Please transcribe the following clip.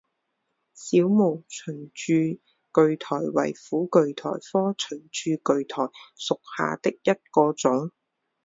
少毛唇柱苣苔为苦苣苔科唇柱苣苔属下的一个种。